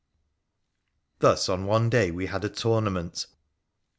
Thus, on one day we had a tournament.